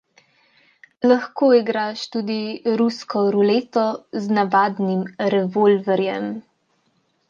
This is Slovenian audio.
Lahko igraš tudi rusko ruleto z navadnim revolverjem.